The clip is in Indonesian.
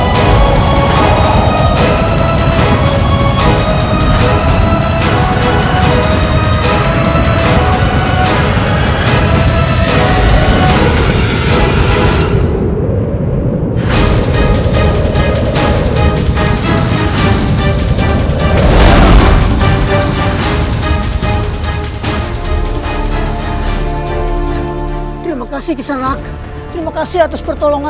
kemana ayah anda abu pergi